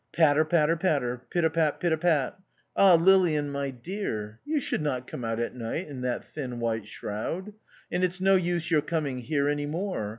Patter, patter, patter ! pit a pat, pit a pat ! Ah ! Lilian, my dear, you should not come out at night in that thin white shroud, and it's no use your coming here any more.